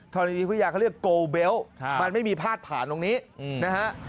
รณีวิทยาเขาเรียกโกเบลต์มันไม่มีพาดผ่านตรงนี้นะฮะ